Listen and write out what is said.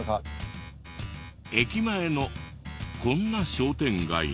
駅前のこんな商店街に。